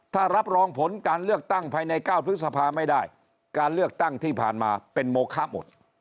ถ้ารับรองผลการเลือกตั้งภายใน๙พฤษภาไม่ได้การเลือกตั้งที่ผ่านมาเป็นโมคะหมด